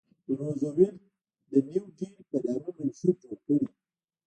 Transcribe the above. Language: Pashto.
روزولټ د نیو ډیل په نامه منشور جوړ کړی و.